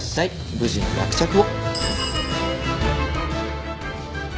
無事の落着を。